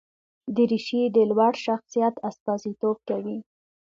دریشي د لوړ شخصیت استازیتوب کوي.